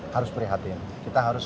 harus perhatikan kita harus